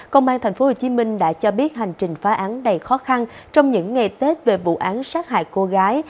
công an tp hcm đã cho biết hành trình phá án đầy khó khăn trong những ngày tết về vụ án sát hại cô gái